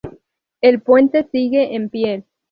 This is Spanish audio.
El puente sigue en pie.